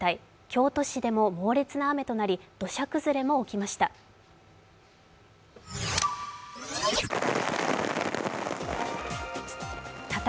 京都市でも猛烈な雨となり土砂崩れも起きました。